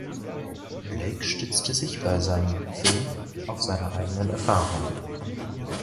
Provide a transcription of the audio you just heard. Blake stützte sich bei seinem Film auf seine eigenen Erfahrungen.